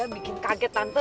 tante bikin kaget tante